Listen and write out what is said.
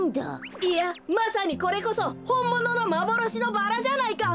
いやまさにこれこそほんもののまぼろしのバラじゃないか！